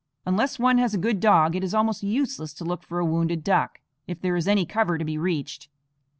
Unless one has a good dog it is almost useless to look for a wounded duck, if there is any cover to be reached.